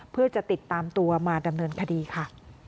เพื่อจะติดตามตัวมาดำเนินคดีค่ะ